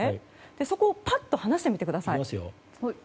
そこを、ぱっと離してみてください。